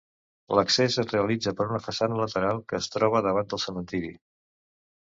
L'accés es realitza per una façana lateral que es troba davant del cementiri.